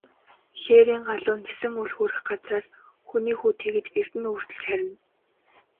Хээрийн галуу нисэн үл хүрэх газраас, хүний хүү тэгж эрдэнэ өвөртөлж харина.